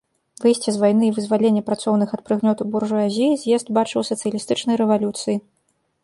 Выйсце з вайны і вызваленне працоўных ад прыгнёту буржуазіі з'езд бачыў у сацыялістычнай рэвалюцыі.